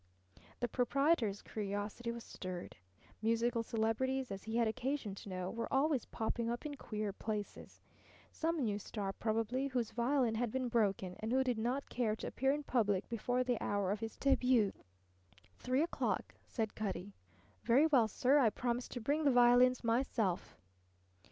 The proprietor's curiosity was stirred. Musical celebrities, as he had occasion to know, were always popping up in queer places. Some new star probably, whose violin had been broken and who did not care to appear in public before the hour of his debut. "Three o'clock," said Cutty. "Very well, sir. I promise to bring the violins myself."